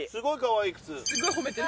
すごい褒めてる。